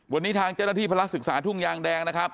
วันนี้ทางเจ้าหน้าที่พระราชศึกษาทุ่งยางแดงนะครับ